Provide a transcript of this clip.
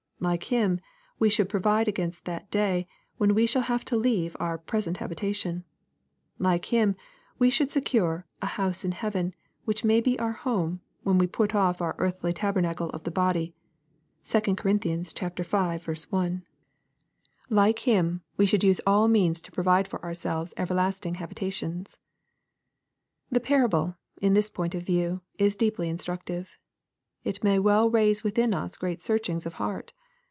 Like him, we should pro vide against the day when we shall have to leave our pre sent habitation. Like him, we should secure "a house in heaven,'' which may be our home, when we put off our earthly tabernacle of the body. (2 Cor. v. 1.) Like him, 198 EXPOSITORY THOUGHTS. we should use all means to provide for ourselves ever lasting habitation& The parable, in this point of view, is deeply instruc tive. It may well raise within us great searchings of heart.